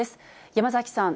山崎さん。